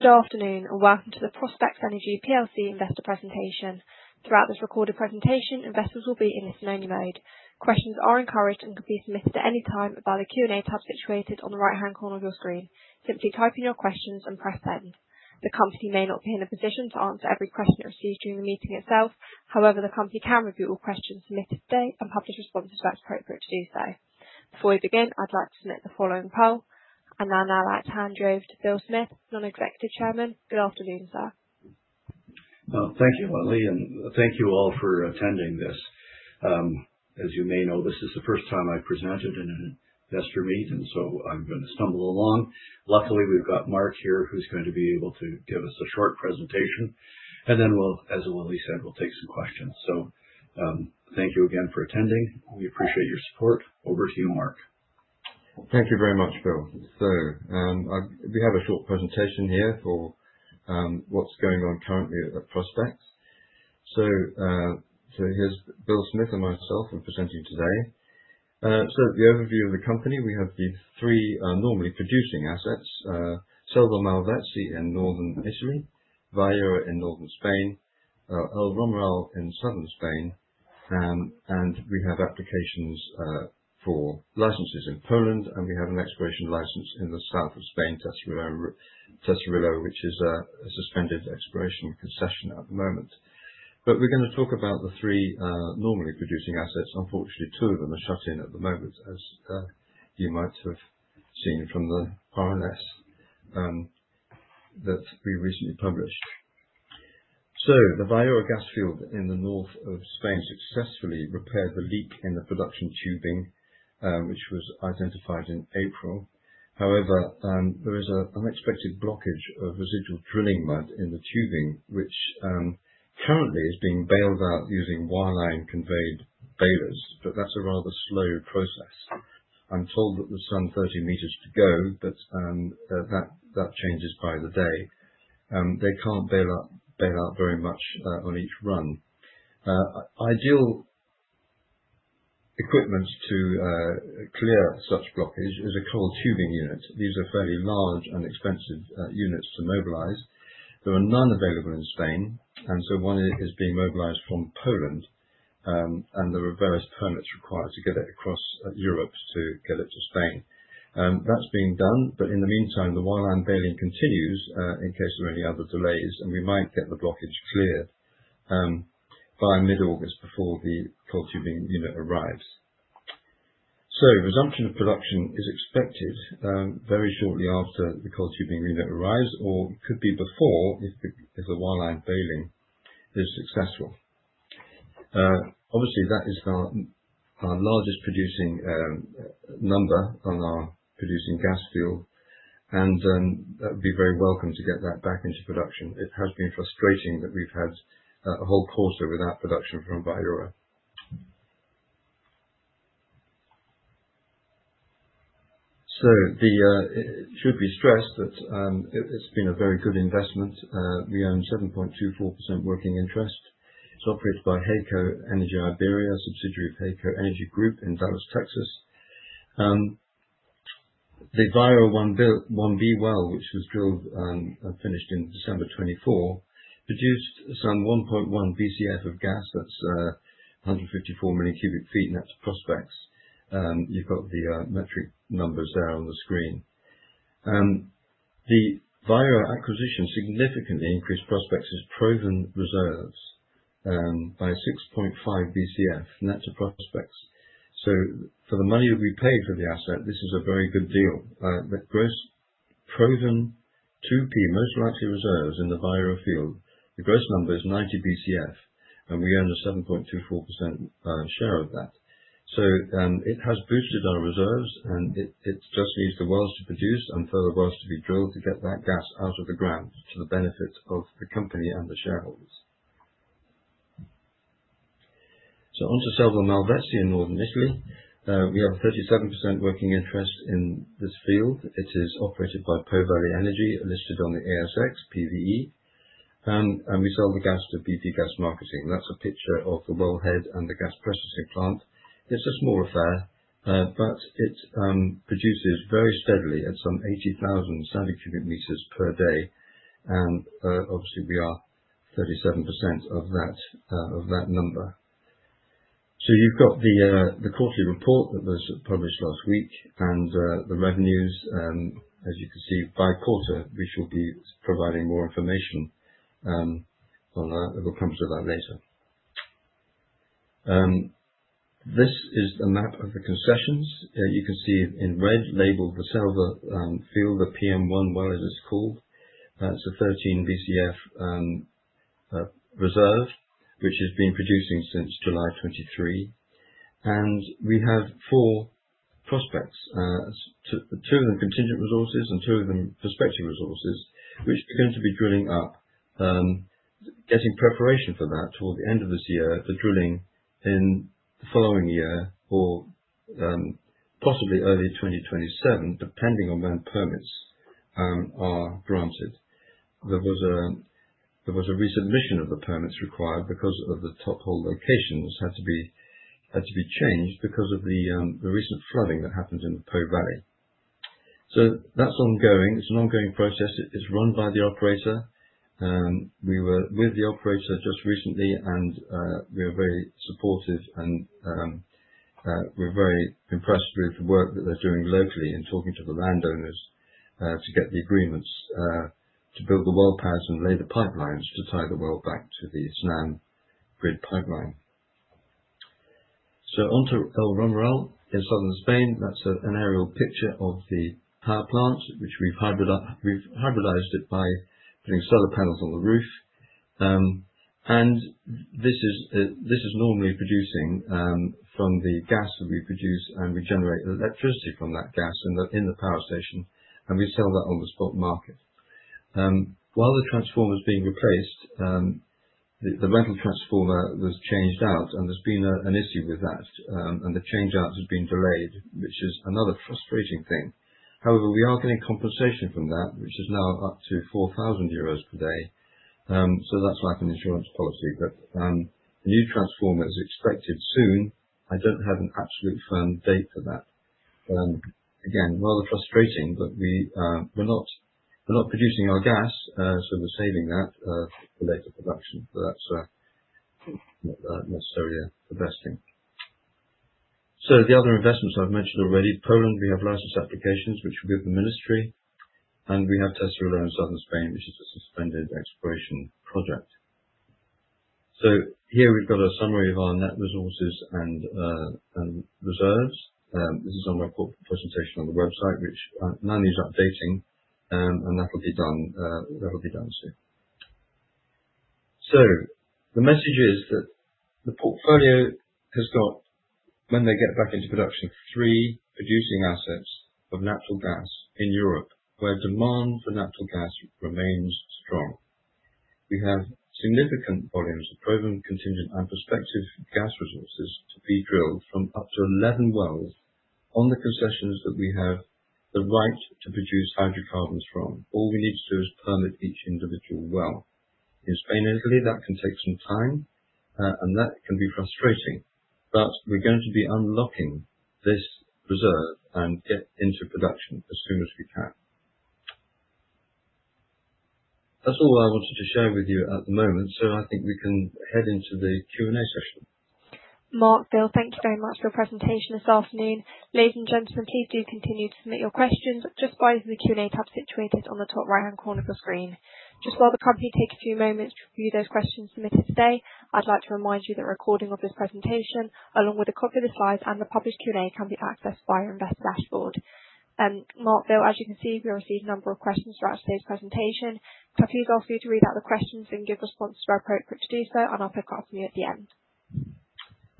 Good afternoon, and welcome to the Prospex Energy PLC investor presentation. Throughout this recorded presentation, investors will be in listen-only mode. Questions are encouraged and can be submitted at any time via the Q&A tab situated on the right-hand corner of your screen. Simply type in your questions and press send. The company may not be in a position to answer every question it receives during the meeting itself; however, the company can review all questions submitted today and publish responses where it's appropriate to do so. Before we begin, I'd like to submit the following poll, and I'll now like to hand you over to Bill Smith, Non-Executive Chairman. Good afternoon, sir. Thank you, Lee, and thank you all for attending this. As you may know, this is the first time I've presented in an investor meeting, so I'm going to stumble along. Luckily, we've got Mark here, who's going to be able to give us a short presentation, and then, as Lee said, we'll take some questions. So thank you again for attending. We appreciate your support. Over to you, Mark. Thank you very much, Bill. So we have a short presentation here for what's going on currently at Prospex. So here's Bill Smith and myself presenting today. So the overview of the company: we have the three normally producing assets, Selva Malvezzi in Northern Italy, Viura in Northern Spain, El Romeral in Southern Spain, and we have applications for licenses in Poland, and we have an exploration license in the south of Spain, Tesorillo, which is a suspended exploration concession at the moment. But we're going to talk about the three normally producing assets. Unfortunately, two of them are shut in at the moment, as you might have seen from the RNS that we recently published. So the Viura gas field in the north of Spain successfully repaired the leak in the production tubing, which was identified in April. However, there is an unexpected blockage of residual drilling mud in the tubing, which currently is being bailed out using wireline conveyed bailer, but that's a rather slow process. I'm told that the sand is 30 meters to go, but that changes by the day. They can't bail out very much on each run. Ideal equipment to clear such blockage is a coiled tubing unit. These are fairly large and expensive units to mobilize. There are none available in Spain, and so one is being mobilized from Poland, and there are various permits required to get it across Europe to get it to Spain. That's being done, but in the meantime, the wireline bailing continues in case there are any other delays, and we might get the blockage cleared by mid-August before the coiled tubing unit arrives. Resumption of production is expected very shortly after the coiled tubing unit arrives, or it could be before if the wireline bailing is successful. Obviously, that is our largest producing number on our producing gas field, and that would be very welcome to get that back into production. It has been frustrating that we've had a whole quarter without production from Viura. So it should be stressed that it's been a very good investment. We own 7.24% working interest. It's operated by HEYCO Energy Iberia, a subsidiary of HEYCO Energy Group in Dallas, Texas. The Viura 1B well, which was drilled and finished in December 2024, produced some 1.1 BCF of gas, that's 154 cubic feet, and that's net to Prospex. You've got the metric numbers there on the screen. The Viura acquisition significantly increased Prospex's proven reserves by 6.5 BCF, and that's a Prospex. So for the money that we paid for the asset, this is a very good deal. The gross proven 2P most likely reserves in the Viura field, the gross number is 90 BCF, and we earn a 7.24% share of that. So it has boosted our reserves, and it just needs the wells to produce and further wells to be drilled to get that gas out of the ground to the benefit of the company and the shareholders. So onto Selva Malvezzi in northern Italy. We have a 37% working interest in this field. It is operated by Po Valley Energy, listed on the ASX PVE, and we sell the gas to BP Gas Marketing. That's a picture of the wellhead and the gas processing plant. It's a small affair, but it produces very steadily at some 80,000 cubic meters per day, and obviously, we are 37% of that number. You've got the quarterly report that was published last week and the revenues. As you can see, by quarter, we should be providing more information on that. We'll come to that later. This is the map of the concessions. You can see in red, labeled the Selva Malvezzi field, the PM1 well as it's called. It's a 13 BCF reserve, which has been producing since July 2023. And we have four prospects, two of them contingent resources and two of them prospective resources, which are going to be drilling up, getting preparation for that toward the end of this year, the drilling in the following year, or possibly early 2027, depending on when permits are granted. There was a resubmission of the permits required because of the top hole locations had to be changed because of the recent flooding that happened in the Po Valley. So that's ongoing. It's an ongoing process. It's run by the operator. We were with the operator just recently, and we are very supportive, and we're very impressed with the work that they're doing locally in talking to the landowners to get the agreements to build the well pads and lay the pipelines to tie the well back to the Snam grid pipeline, so onto El Romeral in southern Spain. That's an aerial picture of the power plant, which we've hybridized by putting solar panels on the roof, and this is normally producing from the gas that we produce and we generate electricity from that gas in the power station, and we sell that on the spot market. While the transformer's being replaced, the rental transformer was changed out, and there's been an issue with that, and the changeout has been delayed, which is another frustrating thing. However, we are getting compensation from that, which is now up to 4,000 euros per day. So that's like an insurance policy. But a new transformer is expected soon. I don't have an absolute firm date for that. Again, rather frustrating, but we're not producing our gas, so we're saving that for later production. So that's not necessarily the best thing. So the other investments I've mentioned already, Poland, we have license applications, which we'll give the ministry, and we have Tesorillo in southern Spain, which is a suspended exploration project. So here we've got a summary of our net resources and reserves. This is on my presentation on the website, which now needs updating, and that'll be done soon. So the message is that the portfolio has got, when they get back into production, three producing assets of natural gas in Europe where demand for natural gas remains strong. We have significant volumes of proven, contingent, and prospective gas resources to be drilled from up to 11 wells on the concessions that we have the right to produce hydrocarbons from. All we need to do is permit each individual well. In Spain, Italy, that can take some time, and that can be frustrating, but we're going to be unlocking this reserve and get into production as soon as we can. That's all I wanted to share with you at the moment, so I think we can head into the Q&A session. Mark, Bill, thank you very much for your presentation this afternoon. Ladies and gentlemen, please do continue to submit your questions just by using the Q&A tab situated on the top right-hand corner of your screen. Just while the company takes a few moments to review those questions submitted today, I'd like to remind you that a recording of this presentation, along with a copy of the slides and the published Q&A, can be accessed via Investor Dashboard. Mark, Bill, as you can see, we received a number of questions throughout today's presentation. So I'll please ask you to read out the questions and give responses where appropriate to do so, and I'll pick up from you at the end.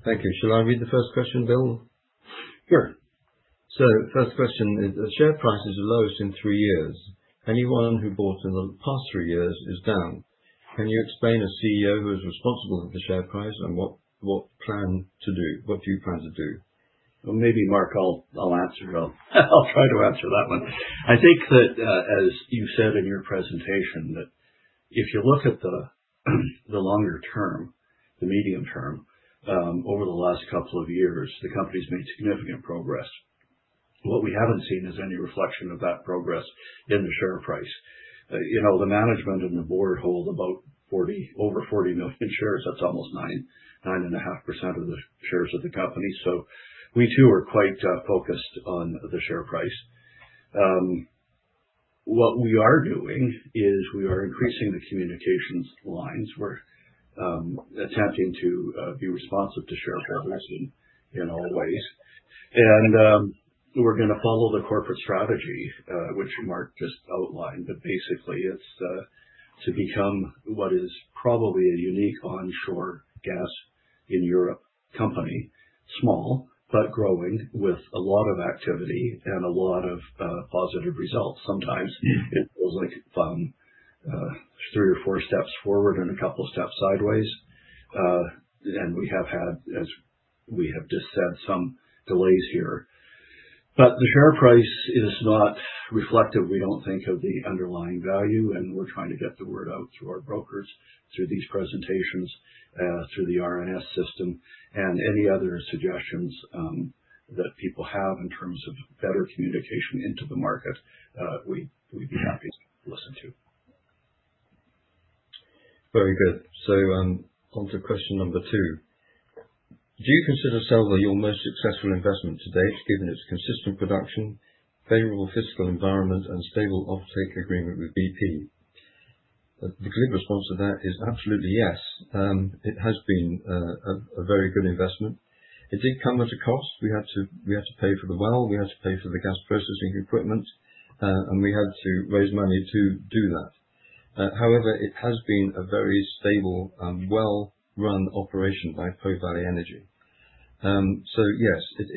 Thank you. Shall I read the first question, Bill? Sure. the first question is, the share price is the lowest in three years. Anyone who bought in the past three years is down. Can you explain a CEO who is responsible for the share price and what plan to do? What do you plan to do? Maybe Mark, I'll answer. I'll try to answer that one. I think that, as you said in your presentation, that if you look at the longer term, the medium term, over the last couple of years, the company's made significant progress. What we haven't seen is any reflection of that progress in the share price. The management and the board hold about over 40 million shares. That's almost 9.5% of the shares of the company. So we too are quite focused on the share price. What we are doing is we are increasing the communications lines. We're attempting to be responsive to shareholders in all ways. And we're going to follow the corporate strategy, which Mark just outlined, but basically, it's to become what is probably a unique onshore gas in Europe company, small but growing with a lot of activity and a lot of positive results. Sometimes it feels like three or four steps forward and a couple of steps sideways. And we have had, as we have just said, some delays here. But the share price is not reflective. We don't think of the underlying value, and we're trying to get the word out through our brokers, through these presentations, through the RNS system, and any other suggestions that people have in terms of better communication into the market. We'd be happy to listen to. Very good. So onto question number two. Do you consider Selva Malvezzi your most successful investment to date, given its consistent production, favorable fiscal environment, and stable offtake agreement with BP? The glib response to that is absolutely yes. It has been a very good investment. It did come at a cost. We had to pay for the well. We had to pay for the gas processing equipment, and we had to raise money to do that. However, it has been a very stable and well-run operation by Po Valley Energy. So yes, it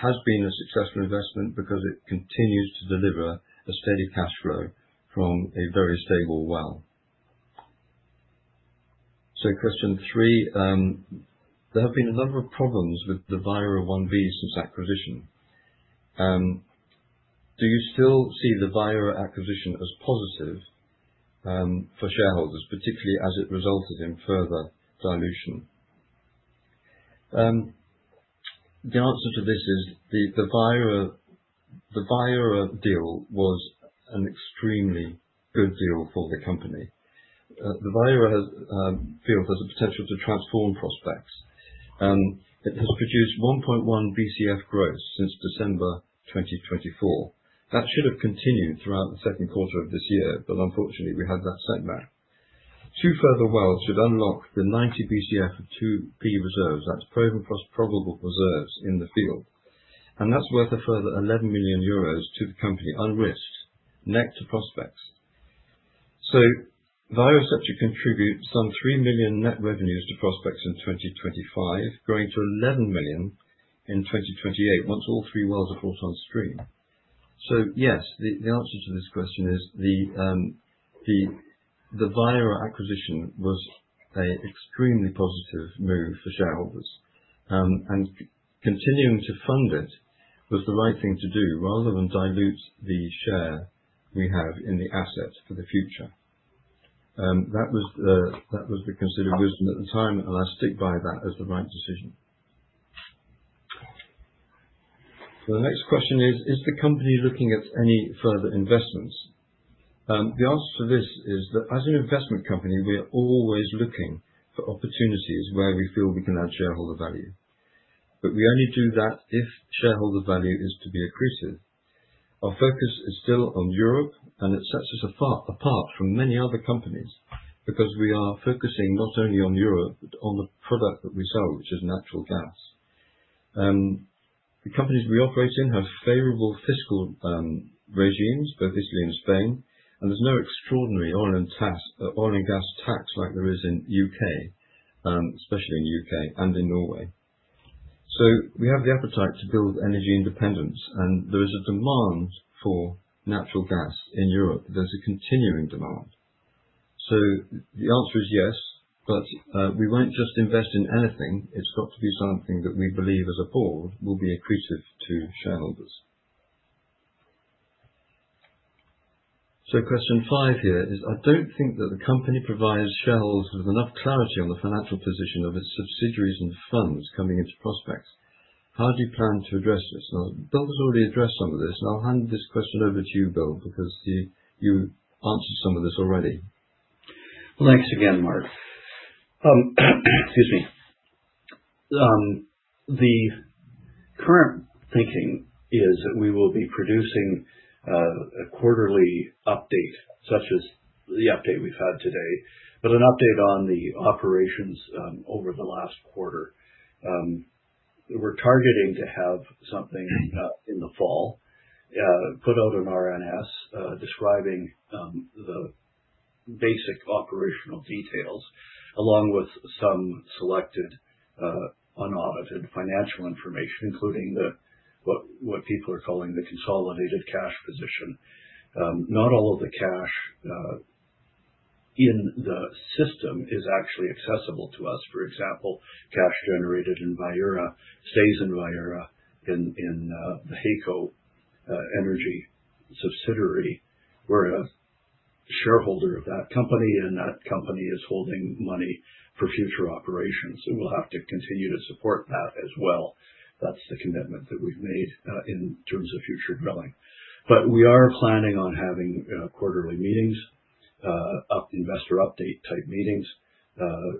has been a successful investment because it continues to deliver a steady cash flow from a very stable well. So question three. There have been a number of problems with the Viura 1B since acquisition. Do you still see the Viura acquisition as positive for shareholders, particularly as it resulted in further dilution? The answer to this is the Viura deal was an extremely good deal for the company. The Viura field has the potential to transform Prospex. It has produced 1.1 BCF growth since December 2024. That should have continued throughout the second quarter of this year, but unfortunately, we had that setback. Two further wells should unlock the 90 BCF of 2P reserves. That's proven, probable reserves in the field, and that's worth a further 11 million euros to the company unrisked, net to Prospex, so Viura is set to contribute some 3 million net revenues to Prospex in 2025, growing to 11 million in 2028 once all three wells are brought on stream. Yes, the answer to this question is the Viura acquisition was an extremely positive move for shareholders, and continuing to fund it was the right thing to do rather than dilute the share we have in the asset for the future. That was the considered wisdom at the time, and I stick by that as the right decision. The next question is, is the company looking at any further investments? The answer to this is that as an investment company, we are always looking for opportunities where we feel we can add shareholder value. But we only do that if shareholder value is to be accretive. Our focus is still on Europe, and it sets us apart from many other companies because we are focusing not only on Europe but on the product that we sell, which is natural gas. The companies we operate in have favorable fiscal regimes, both Italy and Spain, and there's no extraordinary oil and gas tax like there is in the U.K., especially in the U.K. and in Norway, so we have the appetite to build energy independence, and there is a demand for natural gas in Europe. There's a continuing demand, so the answer is yes, but we won't just invest in anything. It's got to be something that we believe as a board will be accretive to shareholders, so question five here is, I don't think that the company provides shareholders with enough clarity on the financial position of its subsidiaries and funds coming into Prospex. How do you plan to address this? Now, Bill has already addressed some of this, and I'll hand this question over to you, Bill, because you answered some of this already. Thanks again, Mark. Excuse me. The current thinking is that we will be producing a quarterly update, such as the update we've had today, but an update on the operations over the last quarter. We're targeting to have something in the fall put out on RNS describing the basic operational details along with some selected unaudited financial information, including what people are calling the consolidated cash position. Not all of the cash in the system is actually accessible to us. For example, cash generated in Viura stays in Viura in the HEYCO Energy subsidiary. We're a shareholder of that company, and that company is holding money for future operations. We'll have to continue to support that as well. That's the commitment that we've made in terms of future drilling. But we are planning on having quarterly meetings, investor update type meetings,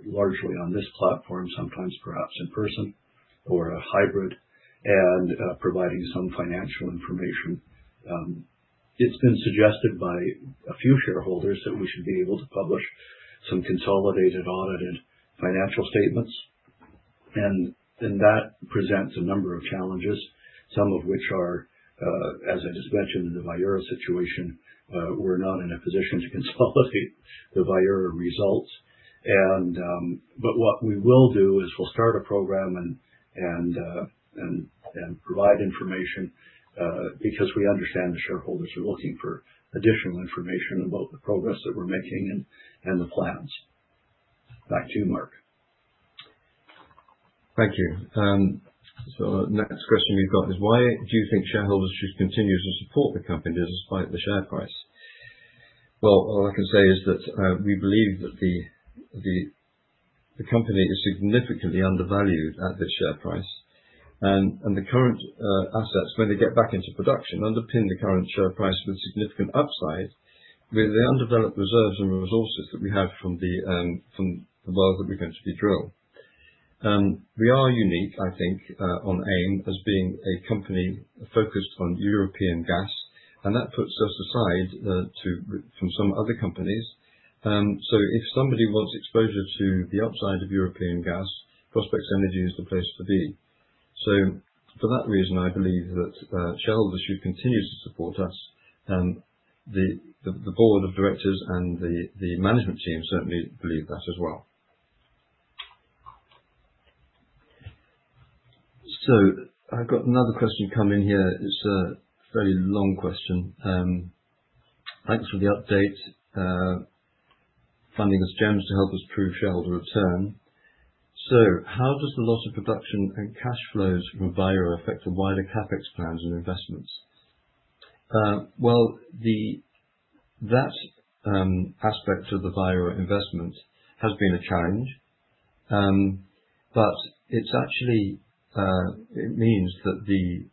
largely on this platform, sometimes perhaps in person or a hybrid, and providing some financial information. It's been suggested by a few shareholders that we should be able to publish some consolidated audited financial statements. and that presents a number of challenges, some of which are, as I just mentioned in the Viura situation, we're not in a position to consolidate the Viura results. But what we will do is we'll start a program and provide information because we understand the shareholders are looking for additional information about the progress that we're making and the plans. Back to you, Mark. Thank you, so the next question we've got is, why do you think shareholders should continue to support the company despite the share price? Well, all I can say is that we believe that the company is significantly undervalued at this share price, and the current assets, when they get back into production, underpin the current share price with significant upside with the undeveloped reserves and resources that we have from the wells that we're going to be drilled. We are unique, I think, on AIM as being a company focused on European gas, and that puts us aside from some other companies, so if somebody wants exposure to the upside of European gas, Prospex Energy is the place to be, so for that reason, I believe that shareholders should continue to support us. The board of directors and the management team certainly believe that as well. So I've got another question coming here. It's a fairly long question. Thanks for the update. Funding is key to help us prove shareholder return. So how does the loss of production and cash flows from Viura affect the wider CapEx plans and investments? Well, that aspect of the Viura investment has been a challenge, but it means that the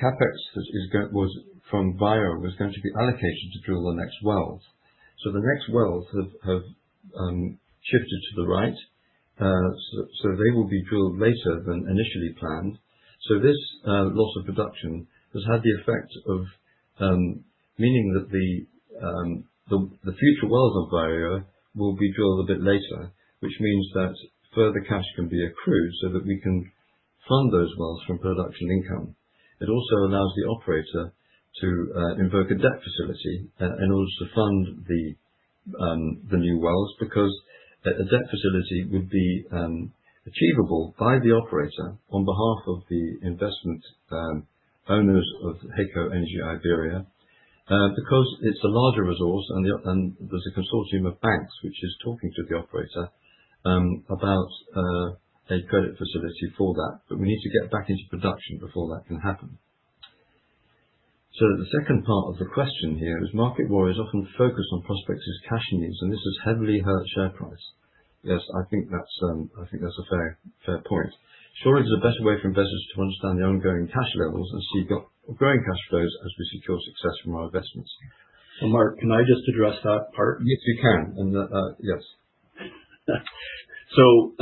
CapEx that was from Viura was going to be allocated to drill the next wells. So the next wells have shifted to the right, so they will be drilled later than initially planned. So this loss of production has had the effect of meaning that the future wells of Viura will be drilled a bit later, which means that further cash can be accrued so that we can fund those wells from production income. It also allows the operator to invoke a debt facility in order to fund the new wells because a debt facility would be achievable by the operator on behalf of the investment owners of HEYCO Energy Iberia, because it's a larger resource and there's a consortium of banks which is talking to the operator about a credit facility for that. But we need to get back into production before that can happen. So the second part of the question here is, market watchers often focus on Prospex's cash needs, and this has heavily hurt share price. Yes, I think that's a fair point. Surely there's a better way for investors to understand the ongoing cash levels and see growing cash flows as we secure success from our investments. Mark, can I just address that part? Yes, you can. Yes, so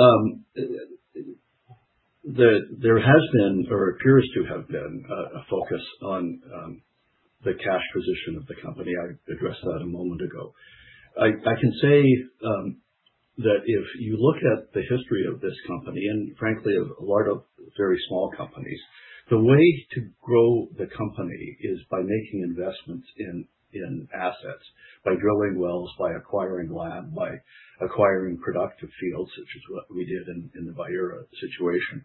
there has been, or appears to have been, a focus on the cash position of the company. I addressed that a moment ago. I can say that if you look at the history of this company, and frankly, of a lot of very small companies, the way to grow the company is by making investments in assets, by drilling wells, by acquiring land, by acquiring productive fields, which is what we did in the Viura situation.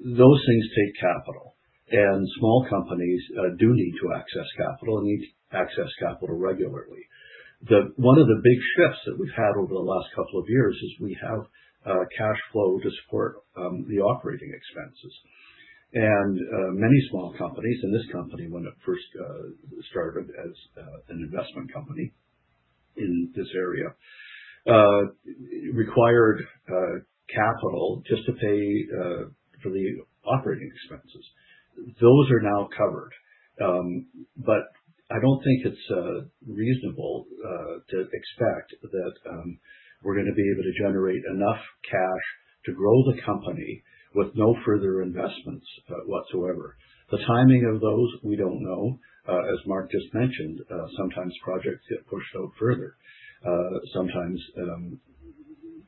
Those things take capital, and small companies do need to access capital and need to access capital regularly. One of the big shifts that we've had over the last couple of years is we have cash flow to support the operating expenses, and many small companies, and this company when it first started as an investment company in this area, required capital just to pay for the operating expenses. Those are now covered, but I don't think it's reasonable to expect that we're going to be able to generate enough cash to grow the company with no further investments whatsoever. The timing of those, we don't know. As Mark just mentioned, sometimes projects get pushed out further. Sometimes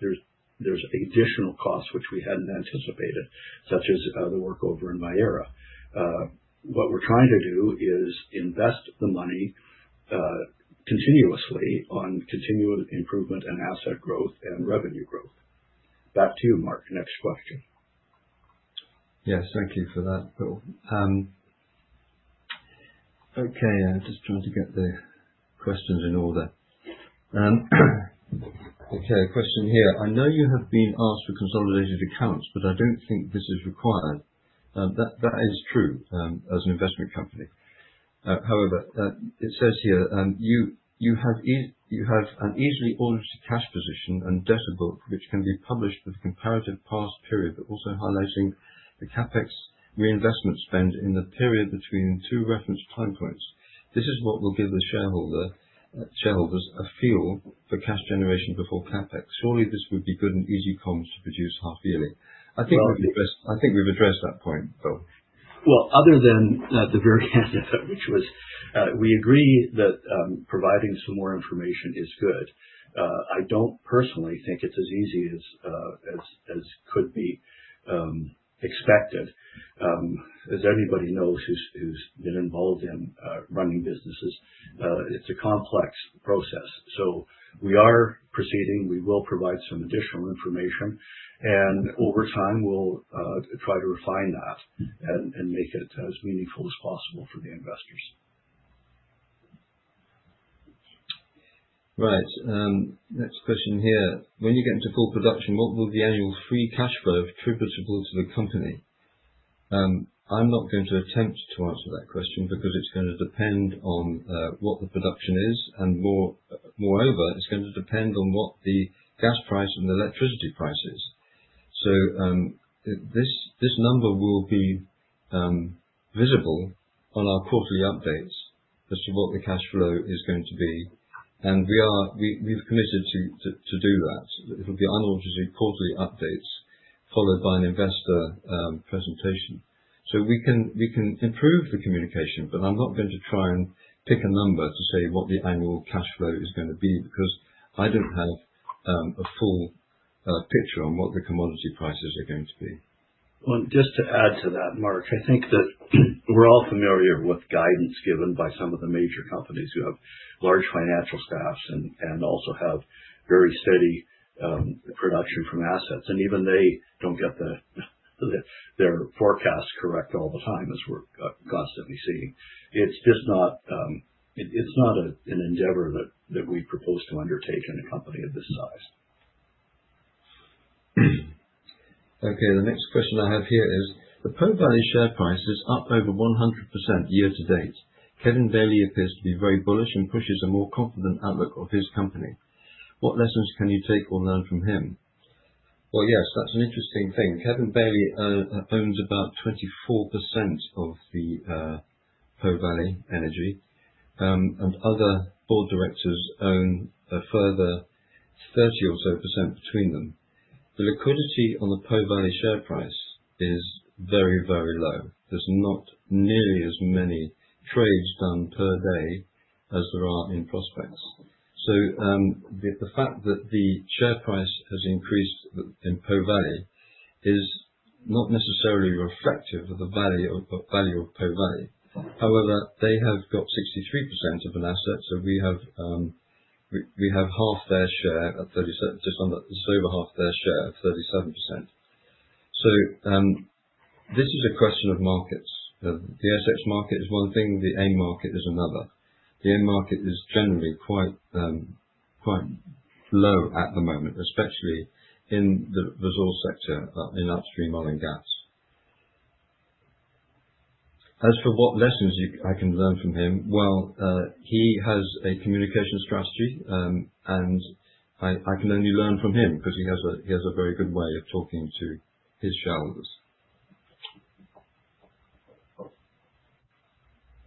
there's additional costs which we hadn't anticipated, such as the workover in Viura. What we're trying to do is invest the money continuously on continued improvement and asset growth and revenue growth. Back to you, Mark. Next question. Yes, thank you for that, Bill. Okay, I'm just trying to get the questions in order. Okay, question here. I know you have been asked for consolidated accounts, but I don't think this is required. That is true as an investment company. However, it says here, you have an easily audited cash position and debt book which can be published with a comparative past period, but also highlighting the CapEx reinvestment spend in the period between two reference time points. This is what will give the shareholders a feel for cash generation before CapEx. Surely this would be good and easy comms to produce half yearly. I think we've addressed that point, Bill. Other than the very end of it, which was we agree that providing some more information is good. I don't personally think it's as easy as could be expected. As anybody knows who's been involved in running businesses, it's a complex process. So we are proceeding. We will provide some additional information, and over time we'll try to refine that and make it as meaningful as possible for the investors. Right. Next question here. When you get into full production, what will the annual free cash flow be attributable to the company? I'm not going to attempt to answer that question because it's going to depend on what the production is and moreover, it's going to depend on what the gas price and the electricity price is. So this number will be visible on our quarterly updates as to what the cash flow is going to be and we've committed to do that. It'll be unaudited quarterly updates followed by an investor presentation so we can improve the communication, but I'm not going to try and pick a number to say what the annual cash flow is going to be because I don't have a full picture on what the commodity prices are going to be. Just to add to that, Mark, I think that we're all familiar with guidance given by some of the major companies who have large financial staffs and also have very steady production from assets. And even they don't get their forecasts correct all the time, as we're constantly seeing. It's not an endeavor that we propose to undertake in a company of this size. Okay, the next question I have here is, the Po Valley share price is up over 100% year to date. Kevin Bailey appears to be very bullish and pushes a more confident outlook of his company. What lessons can you take or learn from him? Well, yes, that's an interesting thing. Kevin Bailey owns about 24% of the Po Valley Energy, and other board directors own a further 30% or so between them. The liquidity on the Po Valley share price is very, very low. There's not nearly as many trades done per day as there are in Prospex. So the fact that the share price has increased in Po Valley is not necessarily reflective of the value of Po Valley. However, they have got 63% of an asset, so we have half their share at 37%, just under just over half their share of 37%. So this is a question of markets. The ASX market is one thing. The AIM market is another. The AIM market is generally quite low at the moment, especially in the resource sector in upstream oil and gas. As for what lessons I can learn from him, well, he has a communication strategy, and I can only learn from him because he has a very good way of talking to his shareholders.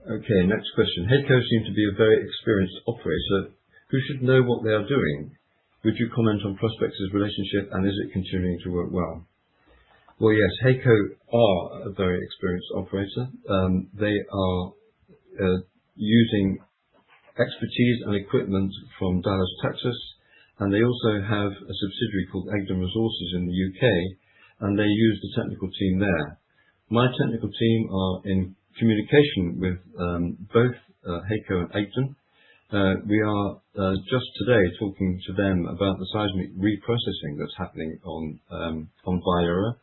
Okay, next question. HEYCO seem to be a very experienced operator. Who should know what they are doing? Would you comment on Prospex's relationship, and is it continuing to work well? Well, yes, HEYCO are a very experienced operator. They are using expertise and equipment from Dallas, Texas, and they also have a subsidiary called Egdon Resources in the U.K., and they use the technical team there. My technical team are in communication with both HEYCO and Egdon. We are just today talking to them about the seismic reprocessing that's happening on Viura,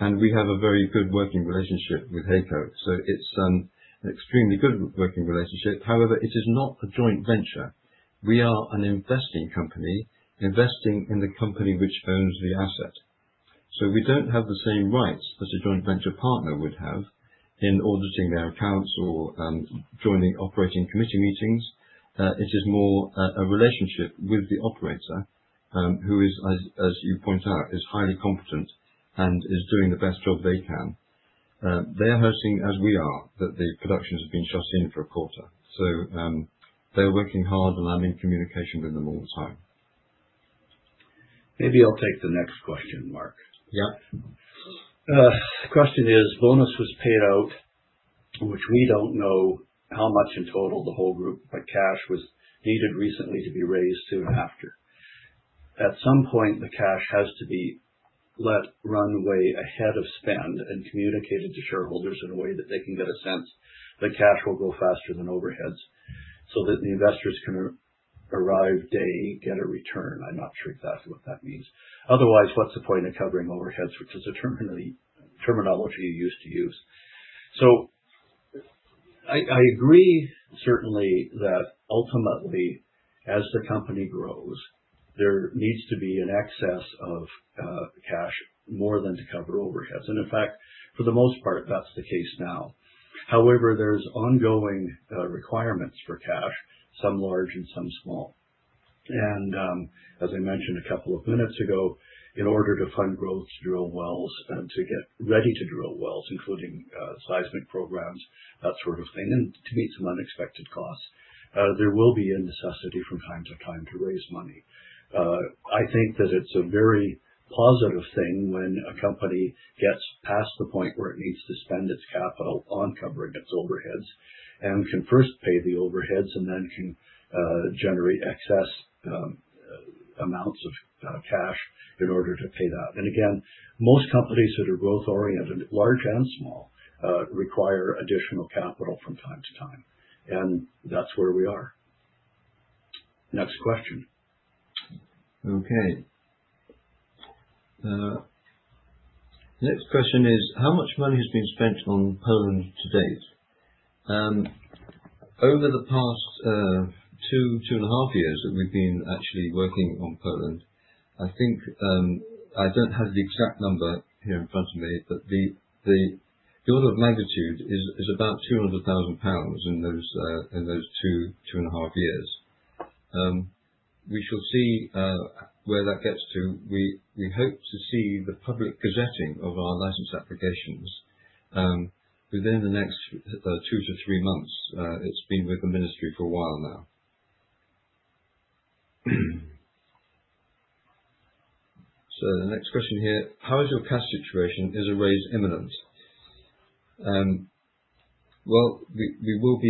and we have a very good working relationship with HEYCO. So it's an extremely good working relationship. However, it is not a joint venture. We are an investing company investing in the company which owns the asset. So we don't have the same rights that a joint venture partner would have in auditing their accounts or joining operating committee meetings. It is more a relationship with the operator who is, as you point out, is highly competent and is doing the best job they can. They are hurting as we are that the production has been shut in for a quarter. So they're working hard, and I'm in communication with them all the time. Maybe I'll take the next question, Mark. Yep. The question is, bonus was paid out, which we don't know how much in total the whole group, but cash was needed recently to be raised soon after. At some point, the cash has to have runway ahead of spend and communicated to shareholders in a way that they can get a sense that cash will go faster than overheads so that the investors can arrive, get a return. I'm not sure exactly what that means. Otherwise, what's the point of covering overheads, which is a terminology you used to use? So I agree certainly that ultimately, as the company grows, there needs to be an excess of cash more than to cover overheads. And in fact, for the most part, that's the case now. However, there's ongoing requirements for cash, some large and some small. And as I mentioned a couple of minutes ago, in order to fund growth to drill wells and to get ready to drill wells, including seismic programs, that sort of thing, and to meet some unexpected costs, there will be a necessity from time to time to raise money. I think that it's a very positive thing when a company gets past the point where it needs to spend its capital on covering its overheads and can first pay the overheads and then can generate excess amounts of cash in order to pay that. And again, most companies that are growth oriented, large and small, require additional capital from time to time. And that's where we are. Next question. Okay. Next question is, how much money has been spent on Poland to date? Over the past two, two and a half years that we've been actually working on Poland, I think I don't have the exact number here in front of me, but the order of magnitude is about 200,000 pounds in those two, two and a half years. We shall see where that gets to. We hope to see the public gazetting of our license applications within the next two to three months. It's been with the ministry for a while now. So the next question here, how is your cash situation? Is a raise imminent? Well, we will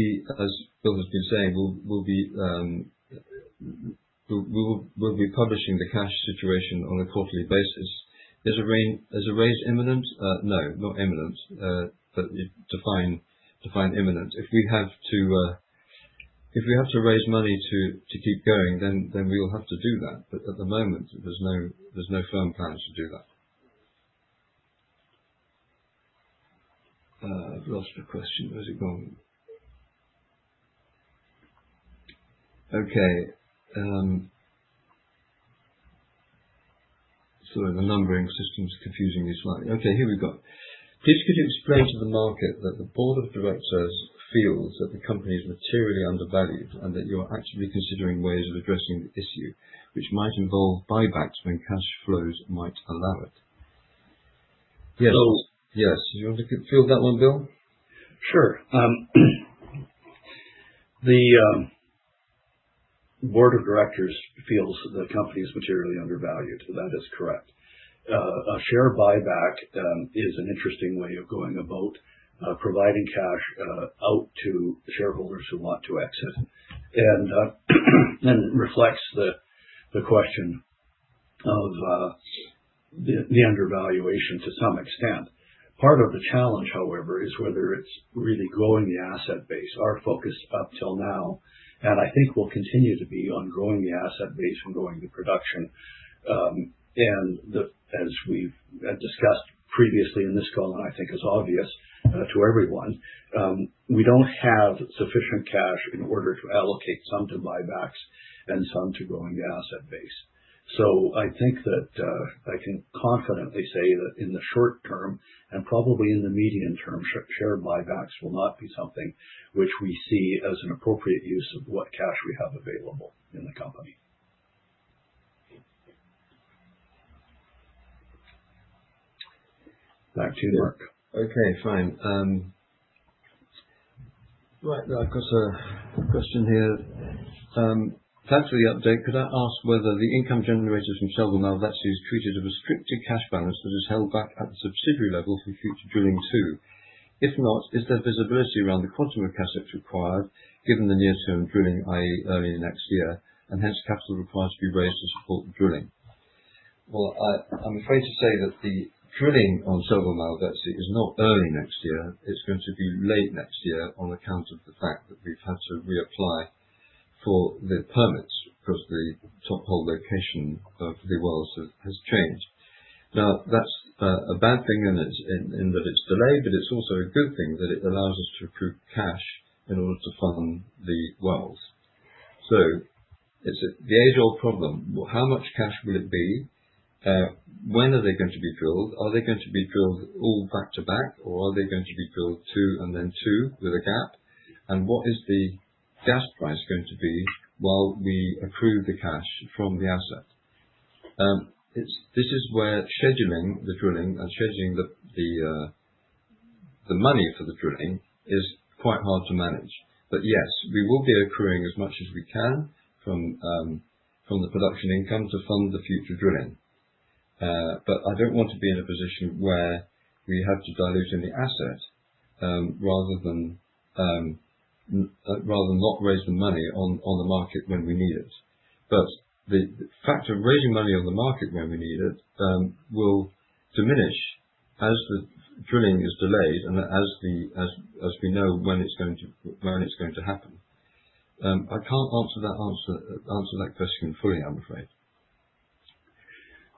be, as Bill has been saying, we'll be publishing the cash situation on a quarterly basis. Is a raise imminent? No, not imminent, but defined imminent. If we have to raise money to keep going, then we will have to do that. But at the moment, there's no firm plans to do that. I've lost the question. Where's it gone? Okay. Sorry, the numbering system is confusing me slightly. Okay, here we go. Please could you explain to the market that the board of directors feels that the company is materially undervalued and that you are actively considering ways of addressing the issue, which might involve buybacks when cash flows might allow it? Yes. Bill. Yes. Do you want to field that one, Bill? Sure. The board of directors feels the company is materially undervalued. That is correct. A share buyback is an interesting way of going about providing cash out to shareholders who want to exit and reflects the question of the undervaluation to some extent. Part of the challenge, however, is whether it's really growing the asset base our focus up till now, and I think will continue to be on growing the asset base and growing the production. And as we've discussed previously in this call, and I think is obvious to everyone, we don't have sufficient cash in order to allocate some to buybacks and some to growing the asset base. So I think that I can confidently say that in the short term and probably in the medium term, share buybacks will not be something which we see as an appropriate use of what cash we have available in the company. Back to you, Mark. Okay, fine. Right, I've got a question here. Thanks for the update. Could I ask whether the income generated from Selva Malvezzi treated as a strictly cash balance that is held back at the subsidiary level for future drilling too? If not, is there visibility around the quantum of cash that's required given the near-term drilling, i.e., early next year, and hence capital required to be raised to support drilling? I'm afraid to say that the drilling on Selva Malvezzi is not early next year. It's going to be late next year on account of the fact that we've had to reapply for the permits because the top hole location of the wells has changed. Now, that's a bad thing in that it's delayed, but it's also a good thing that it allows us to accrue cash in order to fund the wells. So it's the age-old problem. How much cash will it be? When are they going to be drilled? Are they going to be drilled all back to back, or are they going to be drilled two and then two with a gap? And what is the gas price going to be while we accrue the cash from the asset? This is where scheduling the drilling and scheduling the money for the drilling is quite hard to manage, but yes, we will be accruing as much as we can from the production income to fund the future drilling, but I don't want to be in a position where we have to dilute in the asset rather than not raise the money on the market when we need it, but the fact of raising money on the market when we need it will diminish as the drilling is delayed and as we know when it's going to happen. I can't answer that question fully, I'm afraid.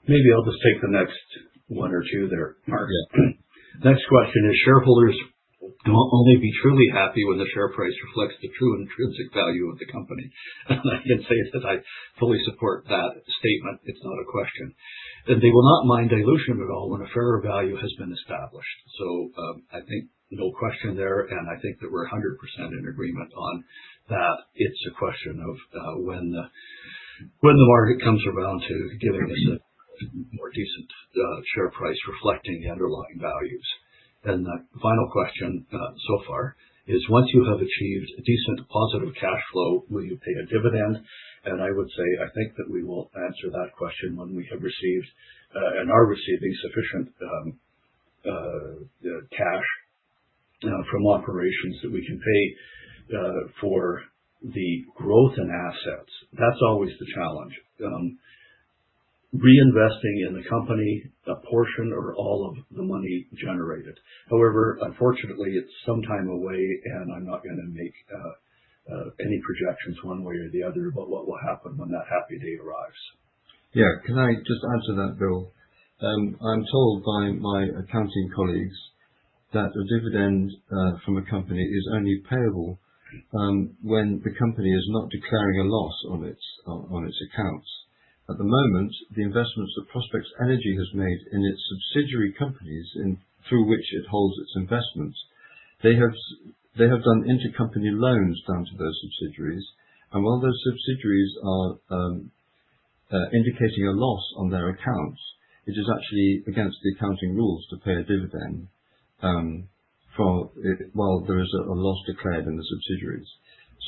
Maybe I'll just take the next one or two there, Mark. Yeah. Next question is, shareholders will only be truly happy when the share price reflects the true intrinsic value of the company. And I can say that I fully support that statement. It's not a question. And they will not mind dilution at all when a fairer value has been established. So I think no question there. And I think that we're 100% in agreement on that. It's a question of when the market comes around to giving us a more decent share price reflecting the underlying values. And the final question so far is, once you have achieved a decent positive cash flow, will you pay a dividend? And I would say I think that we will answer that question when we have received and are receiving sufficient cash from operations that we can pay for the growth in assets. That's always the challenge. Reinvesting in the company, a portion or all of the money generated. However, unfortunately, it's some time away, and I'm not going to make any projections one way or the other about what will happen when that happy day arrives. Yeah, can I just answer that, Bill? I'm told by my accounting colleagues that a dividend from a company is only payable when the company is not declaring a loss on its accounts. At the moment, the investments that Prospex Energy has made in its subsidiary companies through which it holds its investments, they have done intercompany loans down to those subsidiaries, and while those subsidiaries are indicating a loss on their accounts, it is actually against the accounting rules to pay a dividend while there is a loss declared in the subsidiaries,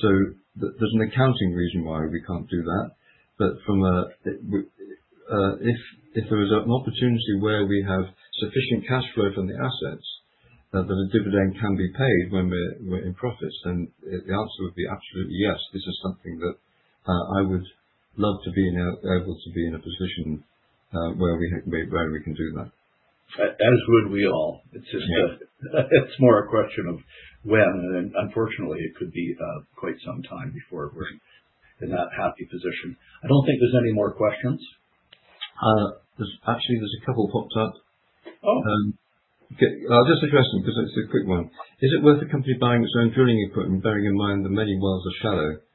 so there's an accounting reason why we can't do that, but if there is an opportunity where we have sufficient cash flow from the assets that a dividend can be paid when we're in profits, then the answer would be absolutely yes. This is something that I would love to be able to be in a position where we can do that. As would we all. It's more a question of when. And unfortunately, it could be quite some time before we're in that happy position. I don't think there's any more questions. Actually, there's a couple popped up. Oh. I'll just address them because it's a quick one. Is it worth a company buying its own drilling equipment, bearing in mind the many shallow wells?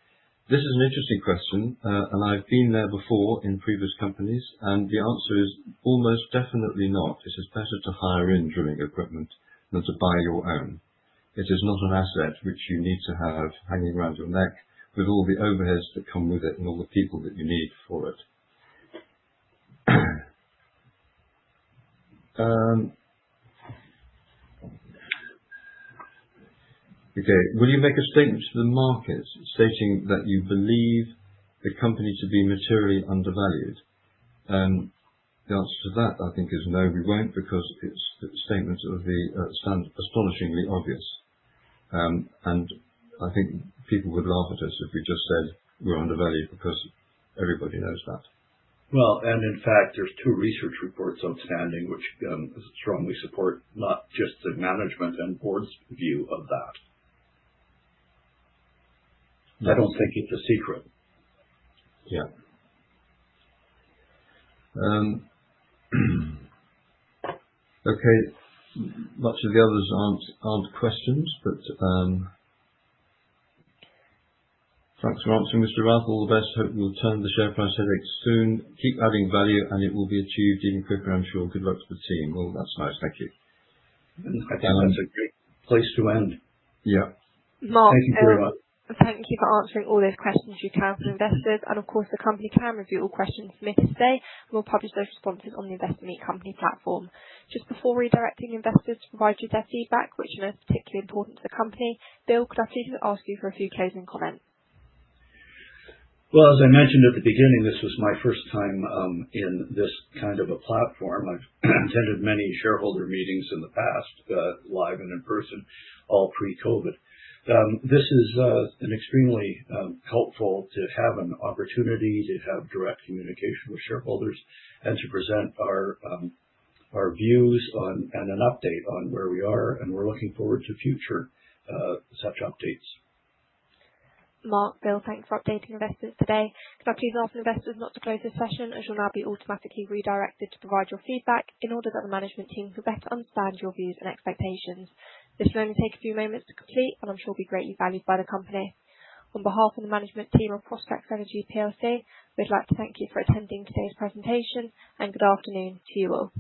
This is an interesting question, and I've been there before in previous companies, and the answer is almost definitely not. It is better to hire in drilling equipment than to buy your own. It is not an asset which you need to have hanging around your neck with all the overheads that come with it and all the people that you need for it. Okay. Will you make a statement to the markets stating that you believe the company to be materially undervalued? The answer to that, I think, is no, we won't because the statements will be astonishingly obvious, and I think people would laugh at us if we just said we're undervalued because everybody knows that. Well, and in fact, there's two research reports outstanding which strongly support not just the management and board's view of that. I don't think it's a secret. Yeah. Okay. Much of the others aren't questions, but thanks for answering, Mr. Routh. All the best. Hope you'll turn the share price headache soon. Keep adding value, and it will be achieved even quicker, I'm sure. Good luck to the team. Well, that's nice. Thank you. I think that's a great place to end. Yeah. Mark. Thank you very much. Thank you for answering all those questions you've given investors. And of course, the company can review all questions submitted today and will publish those responses on the Investor Meet Company platform. Just before redirecting investors to provide you their feedback, which I know is particularly vimportant to the company, Bill, could I please ask you for a few closing comments? As I mentioned at the beginning, this was my first time in this kind of a platform. I've attended many shareholder meetings in the past, live and in person, all pre-COVID. This is an extremely helpful to have an opportunity to have direct communication with shareholders and to present our views and an update on where we are. We're looking forward to future such updates. Mark, Bill, thanks for updating investors today. Could I please ask investors not to close this session as you'll now be automatically redirected to provide your feedback in order that the management team can better understand your views and expectations? This will only take a few moments to complete, and I'm sure it'll be greatly valued by the company. On behalf of the management team of Prospex Energy PLC, we'd like to thank you for attending today's presentation, and good afternoon to you all.